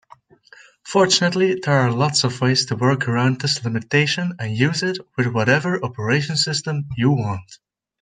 Fortunately, there are lots of ways to work around this limitation and use it with whatever operating system you want.